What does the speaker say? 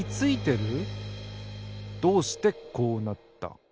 どうしてこうなった？